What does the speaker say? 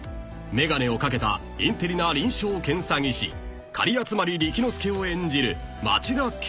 ［眼鏡を掛けたインテリな臨床検査技師狩集理紀之助を演じる］